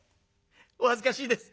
お恥ずかしいです」。